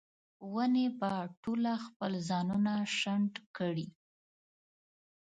ونې به ټوله خپل ځانونه شنډ کړي